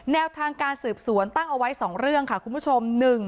แนวทางการสืบสวนตั้งเอาไว้๒เรื่องค่ะคุณผู้ชม